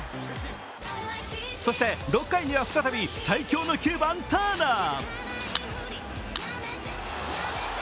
そして、６回には再び最強の９番・ターナー。